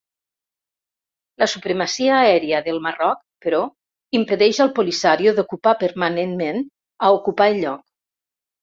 La supremacia aèria del Marroc, però, impedeix al Polisario d'ocupar permanentment a ocupar el lloc.